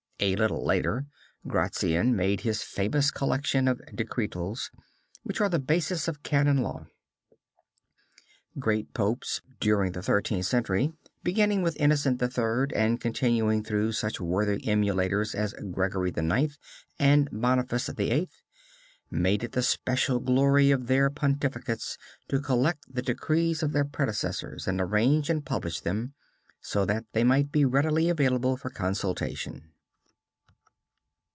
A little later Gratian made his famous collection of decretals, which are the basis of Canon Law. Great popes, during the Thirteenth Century, beginning with Innocent III., and continuing through such worthy emulators as Gregory IX. and Boniface VIII., made it the special glory of their pontificates to collect the decrees of their predecessors and arrange and publish them, so that they might be readily available for consultation.